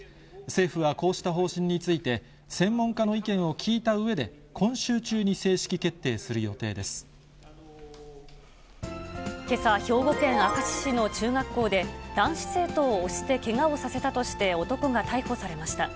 政府はこうした方針について、専門家の意見を聞いたうえで、けさ、兵庫県明石市の中学校で、男子生徒を押してけがをさせたとして、男が逮捕されました。